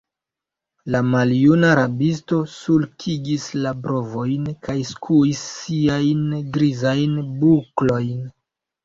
La maljuna rabisto sulkigis la brovojn kaj skuis siajn grizajn buklojn.